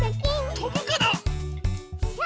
とぶかな？